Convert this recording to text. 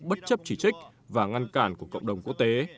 bất chấp chỉ trích và ngăn cản của cộng đồng quốc tế